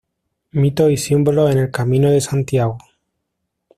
Mitos y símbolos en el Camino de Santiago.